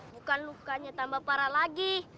bukan lukanya tambah parah lagi